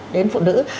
đến phụ nữ